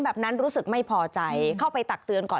แบบนั้นรู้สึกไม่พอใจเข้าไปตักเตือนก่อน